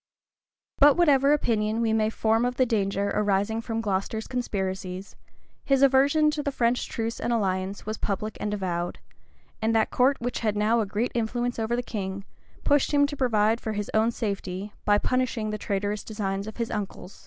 But whatever opinion we may form of the danger arising from Glocester's conspiracies, his aversion to the French truce and alliance was public and avowed; and that court which had now a great influence over the king, pushed him to provide for his own safety, by punishing the traitorous designs of his uncle.